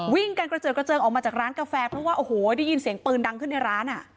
วิ่งกันกระเจิดกระเจิงออกมาจากร้านกาแฟเพราะว่าโอ้โหได้ยินเสียงปืนดังขึ้นในร้านอ่ะ